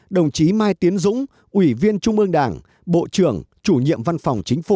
hai mươi tám đồng chí mai tiến dũng ủy viên trung ương đảng bộ trưởng chủ nhiệm văn phòng chính phủ